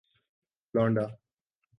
لونڈا